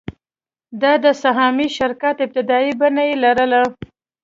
دا د سهامي شرکت ابتدايي بڼه یې لرله.